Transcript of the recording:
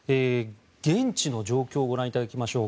現地の状況をご覧いただきましょう。